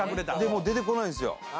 もう出てこないんすよ